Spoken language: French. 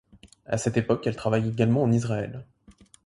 À cette époque, elle travaille également en Israël.